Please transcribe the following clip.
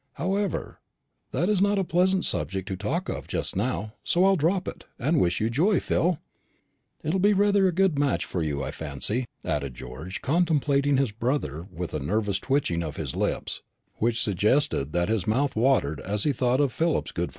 However, that's not a pleasant subject to talk of just now; so I'll drop it, and wish you joy, Phil. It'll be rather a good match for you, I fancy," added George, contemplating his brother with a nervous twitching of his lips, which suggested that his mouth watered as he thought of Philip's good fortune.